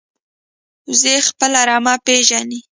وزې خپل رمه پېژني